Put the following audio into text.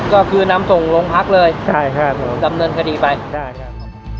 ก็คือนำส่งลงพักเลยใช่ใช่ครับดำเนินคดีไปใช่ค่ะ